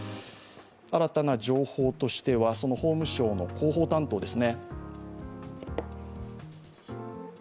新たな情報としては、法務省の広報担当ですね。